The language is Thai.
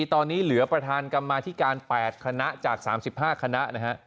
ตอนนี้เหลือประธานกรรมาธิการ๘คณะจาก๓๕คณะนะฮะ